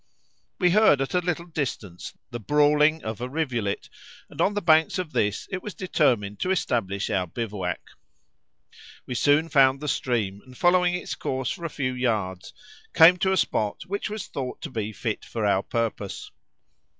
We heard at a little distance the brawling of a rivulet, and on the banks of this it was determined to establish our bivouac. We soon found the stream, and following its course for a few yards, came to a spot which was thought to be fit for our purpose.